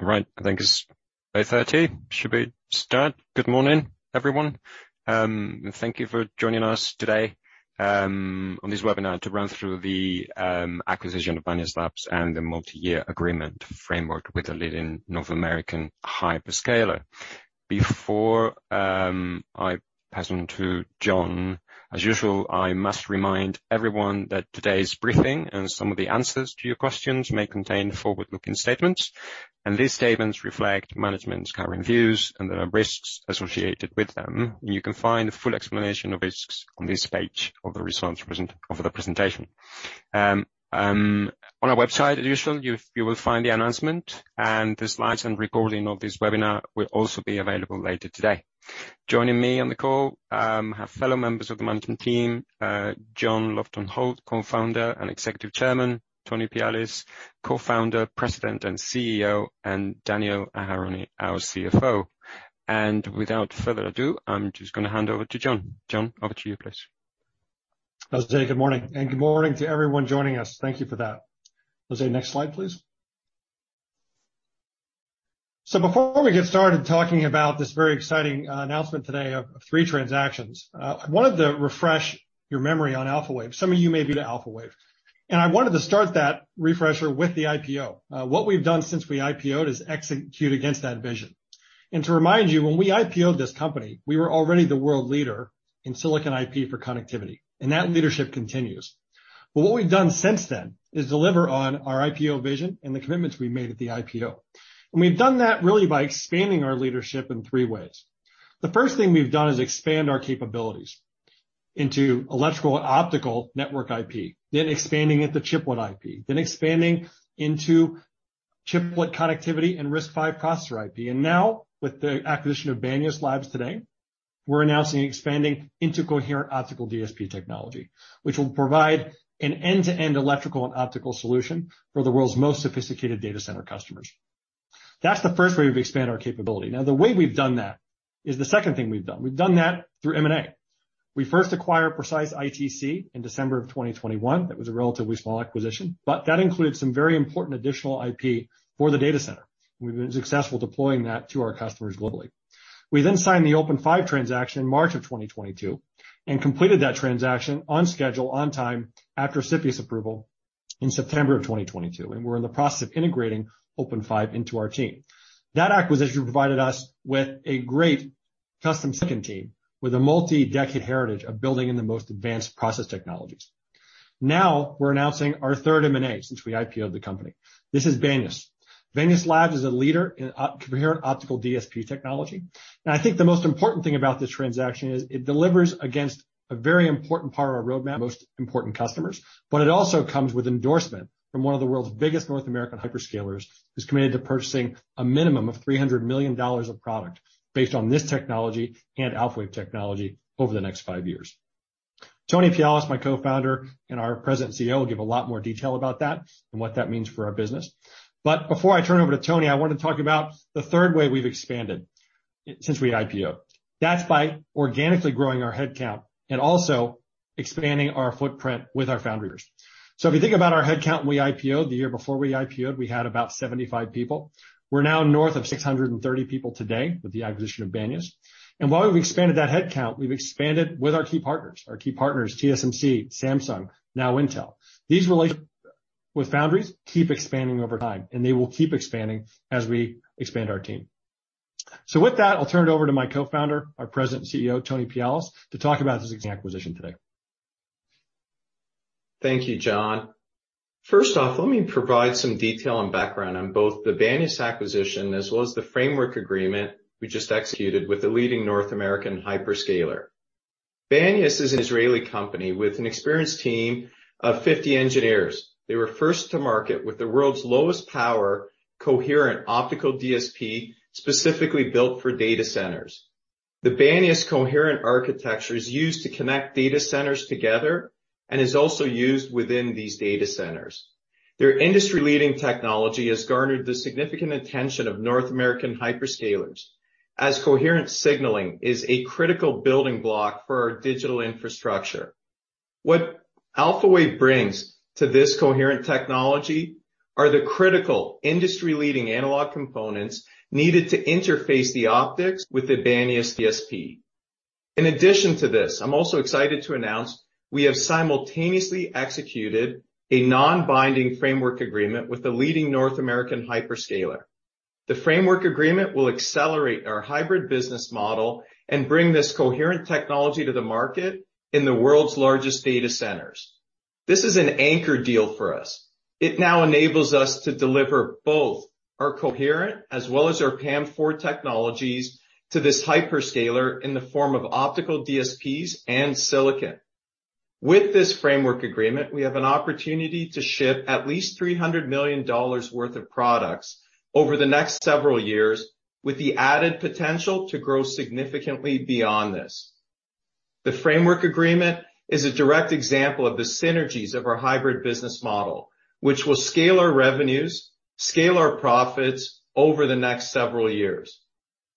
All right. I think it's 8:30 A.M. Should we start? Good morning, everyone. Thank you for joining us today on this webinar to run through the acquisition of Banias Labs and the multi-year agreement framework with a leading North American hyperscaler. Before I pass on to John, as usual, I must remind everyone that today's briefing and some of the answers to your questions may contain forward-looking statements, and these statements reflect management's current views and there are risks associated with them. You can find a full explanation of risks on this page of the presentation. On our website, as usual, you will find the announcement and the slides and recording of this webinar will also be available later today. Joining me on the call, are fellow members of the management team, John Lofton-Holt, Co-founder and Executive Chairman, Tony Pialis, Co-founder, President, and CEO, and Daniel Aharoni, our CFO. Without further ado, I'm just gonna hand over to John. John, over to you, please. Jose, good morning, and good morning to everyone joining us. Thank you for that. Jose, next slide, please. Before we get started talking about this very exciting announcement today of three transactions, I wanted to refresh your memory on Alphawave. Some of you may be new to Alphawave. I wanted to start that refresher with the IPO. What we've done since we IPO'd is execute against that vision. To remind you, when we IPO'd this company, we were already the world leader in silicon IP for connectivity, and that leadership continues. What we've done since then is deliver on our IPO vision and the commitments we made at the IPO. We've done that really by expanding our leadership in three ways. The first thing we've done is expand our capabilities into electrical and optical network IP, then expanding into chiplet IP, then expanding into chiplet connectivity and RISC-V processor IP. Now, with the acquisition of Banias Labs today, we're announcing expanding into coherent optical DSP technology, which will provide an end-to-end electrical and optical solution for the world's most sophisticated data center customers. That's the first way we've expanded our capability. Now, the way we've done that is the second thing we've done. We've done that through M&A. We first acquired Precise-ITC in December of 2021. That was a relatively small acquisition, but that included some very important additional IP for the data center. We've been successful deploying that to our customers globally. We signed the OpenFive transaction in March 2022 and completed that transaction on schedule, on time, after CPs approval in September 2022, and we're in the process of integrating OpenFive into our team. That acquisition provided us with a great custom silicon team with a multi-decade heritage of building in the most advanced process technologies. Now we're announcing our third M&A since we IPO'd the company. This is Banias. Banias Labs is a leader in coherent optical DSP technology. I think the most important thing about this transaction is it delivers against a very important part of our roadmap, most important customers, but it also comes with endorsement from one of the world's biggest North American hyperscalers, who's committed to purchasing a minimum of $300 million of product based on this technology and Alphawave technology over the next five years. Tony Pialis, my co-founder and our President CEO, will give a lot more detail about that and what that means for our business. Before I turn over to Tony, I want to talk about the third way we've expanded since we IPO'd. That's by organically growing our head count and also expanding our footprint with our foundries. If you think about our head count when we IPO'd, the year before we IPO'd, we had about 75 people. We're now north of 630 people today with the acquisition of Banias. While we've expanded that head count, we've expanded with our key partners. Our key partners, TSMC, Samsung, now Intel. These relationships with foundries keep expanding over time, and they will keep expanding as we expand our team. With that, I'll turn it over to my co-founder, our President and CEO, Tony Pialis, to talk about this acquisition today. Thank you, John. First off, let me provide some detail and background on both the Banias acquisition as well as the framework agreement we just executed with the leading North American hyperscaler. Banias is an Israeli company with an experienced team of 50 engineers. They were first to market with the world's lowest power coherent optical DSP, specifically built for data centers. The Banias coherent architecture is used to connect data centers together and is also used within these data centers. Their industry-leading technology has garnered the significant attention of North American hyperscalers as coherent signaling is a critical building block for our digital infrastructure. What Alphawave brings to this coherent technology are the critical industry-leading analog components needed to interface the optics with the Banias DSP. In addition to this, I'm also excited to announce we have simultaneously executed a non-binding framework agreement with the leading North American hyperscaler. The framework agreement will accelerate our hybrid business model and bring this coherent technology to the market in the world's largest data centers. This is an anchor deal for us. It now enables us to deliver both our coherent as well as our PAM4 technologies to this hyperscaler in the form of optical DSPs and silicon. With this framework agreement, we have an opportunity to ship at least $300 million worth of products over the next several years, with the added potential to grow significantly beyond this. The framework agreement is a direct example of the synergies of our hybrid business model which will scale our revenues scale our profits over the next several years.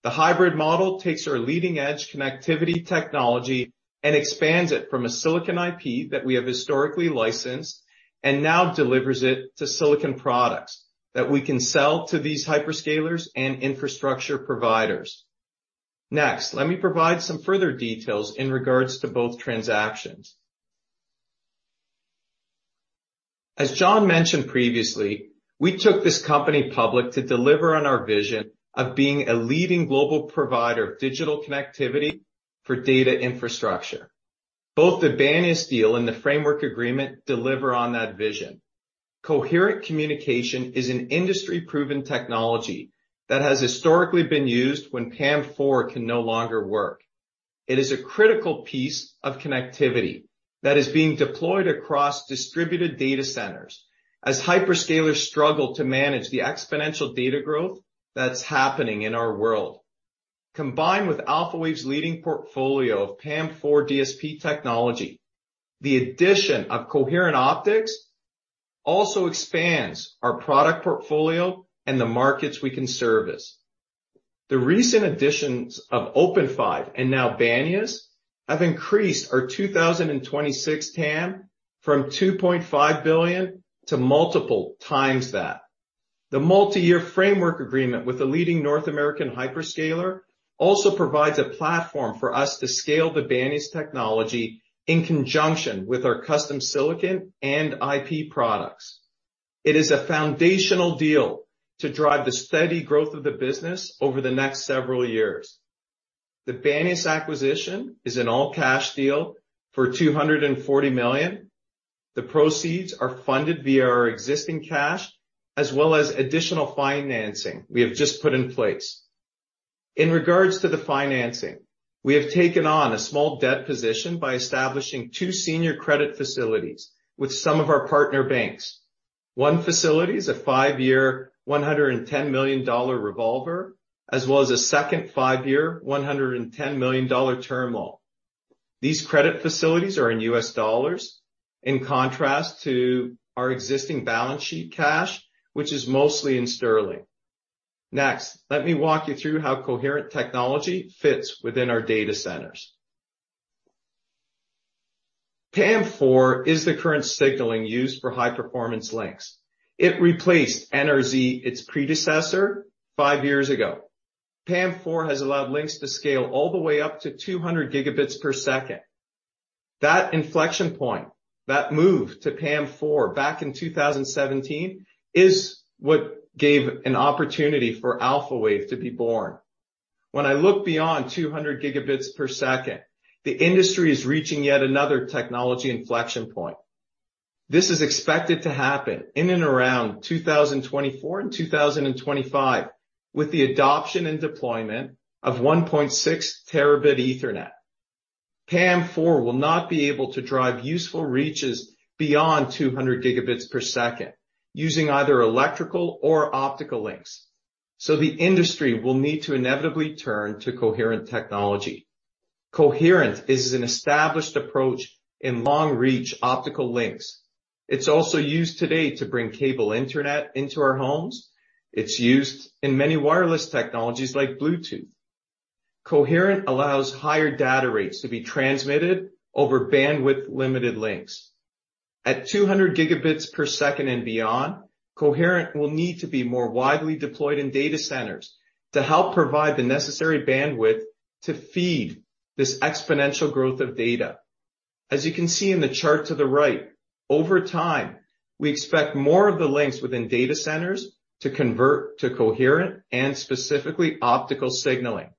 The hybrid model takes our leading-edge connectivity technology and expands it from a silicon IP that we have historically licensed and now delivers it to silicon products that we can sell to these hyperscalers and infrastructure providers. Next, let me provide some further details in regards to both transactions. As John mentioned previously we took this company public to deliver on our vision of being a leading global provider of digital connectivity for data infrastructure. Both the Banias deal and the framework agreement deliver on that vision. Coherent communication is an industry-proven technology that has historically been used when PAM4 can no longer work. It is a critical piece of connectivity that is being deployed across distributed data centers as hyperscalers struggle to manage the exponential data growth that's happening in our world. Combined with Alphawave's leading portfolio of PAM4 DSP technology the addition of coherent optics also expands our product portfolio and the markets we can service. The recent additions of OpenFive and now Banias have increased our 2026 TAM from $2.5 billion to multiple times that. The multiyear framework agreement with the leading North American hyperscaler also provides a platform for us to scale the Banias technology in conjunction with our custom silicon and IP products. It is a foundational deal to drive the steady growth of the business over the next several years. The Banias acquisition is an all-cash deal for $240 million. The proceeds are funded via our existing cash as well as additional financing we have just put in place. In regards to the financing, we have taken on a small debt position by establishing two senior credit facilities with some of our partner banks. One facility is a five-year $110 million revolver as well as a second five-year, $110 million term loan. These credit facilities are in U.S. dollars in contrast to our existing balance sheet cash which is mostly in sterling. Next let me walk you through how coherent technology fits within our data centers. PAM4 is the current signaling used for high performance links. It replaced NRZ its predecessor, five years ago. PAM4 has allowed links to scale all the way up to 200 Gbps. That inflection point that move to PAM4 back in 2017 is what gave an opportunity for Alphawave to be born. When I look beyond 200 Gb per second, the industry is reaching yet another technology inflection point. This is expected to happen in and around 2024 and 2025 with the adoption and deployment of 1.6 terabit Ethernet. PAM4 will not be able to drive useful reaches beyond 200 Gb per second using either electrical or optical links so the industry will need to inevitably turn to coherent technology. Coherent is an established approach in long reach optical links. It's also used today to bring cable internet into our homes. It's used in many wireless technologies like Bluetooth. Coherent allows higher data rates to be transmitted over bandwidth-limited links. At 200 Gb per second and beyond coherent will need to be more widely deployed in data centers to help provide the necessary bandwidth to feed this exponential growth of data. As you can see in the chart to the right over time we expect more of the links within data centers to convert to coherent and specifically optical signaling.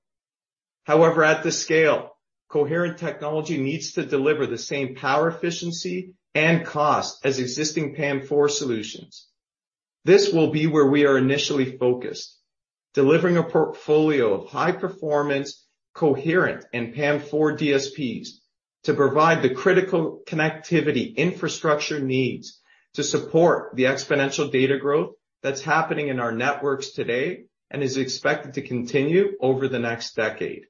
However at this scale coherent technology needs to deliver the same power efficiency and cost as existing PAM4 solutions. This will be where we are initially focused delivering a portfolio of high performance coherent and PAM4 DSPs to provide the critical connectivity infrastructure needs to support the exponential data growth that's happening in our networks today and is expected to continue over the next decade.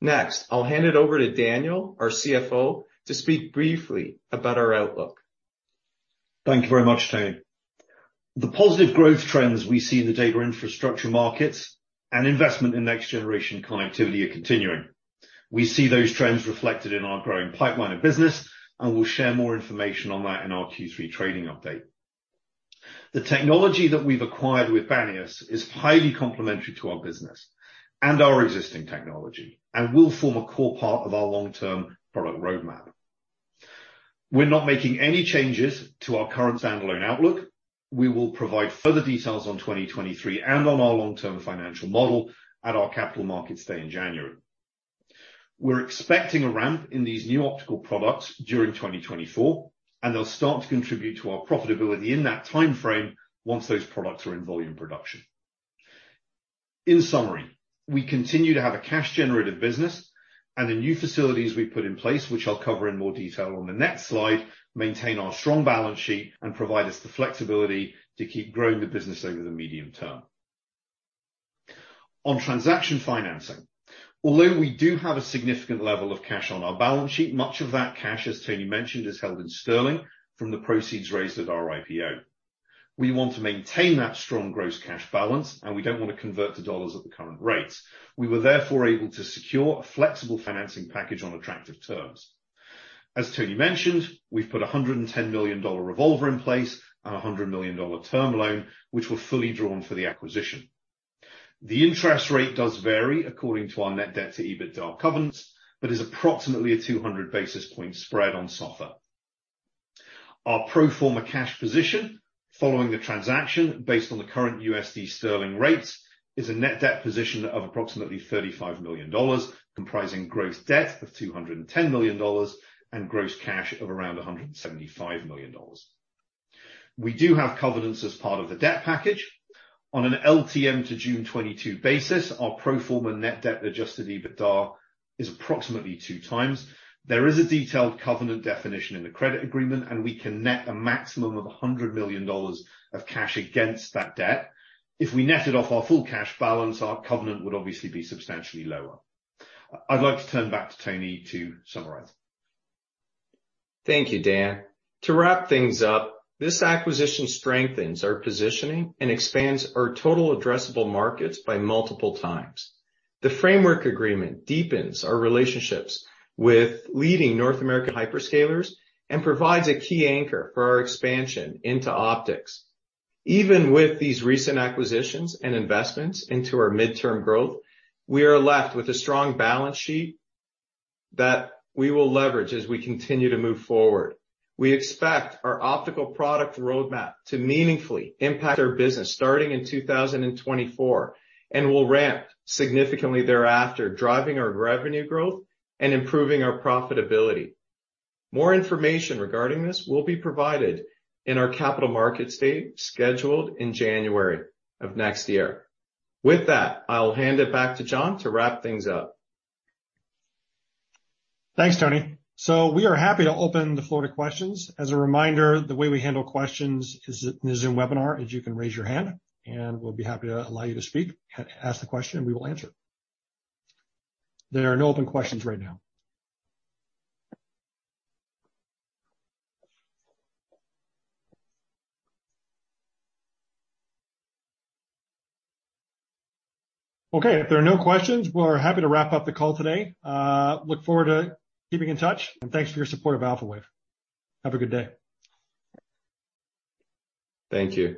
Next I'll hand it over to Daniel our CFO to speak briefly about our outlook. Thank you very much Tony. The positive growth trends we see in the data infrastructure markets and investment in next generation connectivity are continuing. We see those trends reflected in our growing pipeline of business and we'll share more information on that in our Q3 trading update. The technology that we've acquired with Banias is highly complementary to our business and our existing technology and will form a core part of our long-term product roadmap. We're not making any changes to our current standalone outlook. We will provide further details on 2023 and on our long-term financial model at our Capital Markets Day in January. We're expecting a ramp in these new optical products during 2024 and they'll start to contribute to our profitability in that timeframe once those products are in volume production. In summary, we continue to have a cash generative business and the new facilities we put in place, which I'll cover in more detail on the next slide maintain our strong balance sheet and provide us the flexibility to keep growing the business over the medium term. On transaction financing. Although we do have a significant level of cash on our balance sheet much of that cash as Tony mentioned is held in sterling from the proceeds raised at our IPO. We want to maintain that strong gross cash balance and we don't wanna convert to dollars at the current rates. We were therefore able to secure a flexible financing package on attractive terms. As Tony mentioned we've put a $110 million revolver in place and a $100 million term loan, which were fully drawn for the acquisition. The interest rate does vary according to our net debt to EBITDA covenants, but is approximately a 200 basis point spread on SOFR. Our pro forma cash position following the transaction based on the current USD sterling rates is a net debt position of approximately $35 million comprising gross debt of $210 million and gross cash of around $175 million. We do have covenants as part of the debt package. On an LTM to June 2022 basis, our pro forma net debt adjusted EBITDA is approximately 2x. There is a detailed covenant definition in the credit agreement and we can net a maximum of $100 million of cash against that debt. If we netted off our full cash balance, our covenant would obviously be substantially lower. I'd like to turn back to Tony to summarize. Thank you, Dan. To wrap things up this acquisition strengthens our positioning and expands our total addressable markets by multiple times. The framework agreement deepens our relationships with leading North American hyperscalers and provides a key anchor for our expansion into optics. Even with these recent acquisitions and investments into our midterm growth we are left with a strong balance sheet that we will leverage as we continue to move forward. We expect our optical product roadmap to meaningfully impact our business starting in 2024 and will ramp significantly thereafter driving our revenue growth and improving our profitability. More information regarding this will be provided in our Capital Markets Day scheduled in January of next year. With that, I'll hand it back to John to wrap things up. Thanks, Tony. We are happy to open the floor to questions. As a reminder, the way we handle questions is, in the Zoom webinar, you can raise your hand and we'll be happy to allow you to speak. Ask the question, we will answer. There are no open questions right now. Okay if there are no questions we're happy to wrap up the call today. Look forward to keeping in touch and thanks for your support of Alphawave. Have a good day. Thank you.